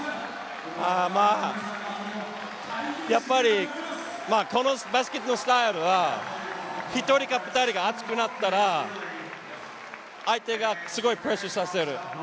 まあ、やっぱりこのバスケットのスタイルは１人か２人が熱くなったら相手がすごいプレッシャーさせる。